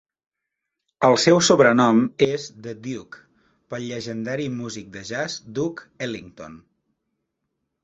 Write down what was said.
El seu sobrenom és "The Duke" pel llegendari músic de jazz Duke Ellington.